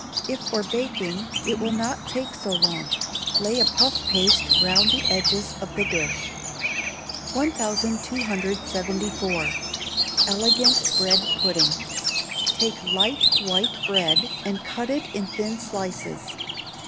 If for baking, it will not take so long. Lay a puff paste round the edges of the dish. 1274. Elegant Bread Pudding. Take light white bread, and cut it in thin slices.